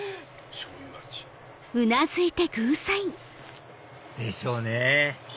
しょうゆ味？でしょうね！